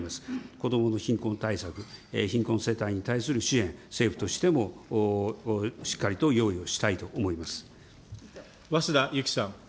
子どもの貧困対策、貧困世帯に対する支援、政府としてもしっかりと用意をしたいと思早稲田ゆきさん。